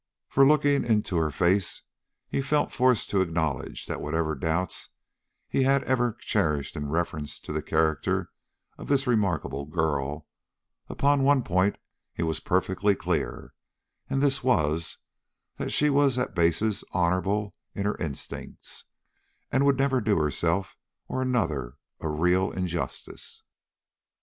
For, looking in her face, he felt forced to acknowledge that whatever doubts he had ever cherished in reference to the character of this remarkable girl, upon one point he was perfectly clear, and this was, that she was at basis honorable in her instincts, and would never do herself or another a real injustice.